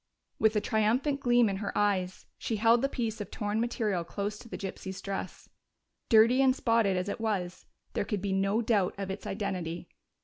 With a triumphant gleam in her eyes, she held the piece of torn material close to the gypsy's dress. Dirty and spotted as it was, there could be no doubt of its identity.